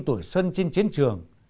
tuổi xuân trên chiến trường